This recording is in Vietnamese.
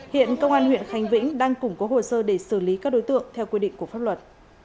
hiện công an huyện khánh vĩnh đang củng cố hồ sơ để xử lý các đối tượng theo quy định của pháp luật